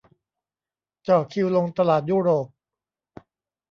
จ่อคิวลงตลาดยุโรป